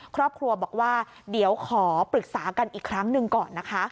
ครอบครัวบอกว่าเดี๋ยวขอปรึกษากันอีกครั้งหนึ่งก่อนนะคะ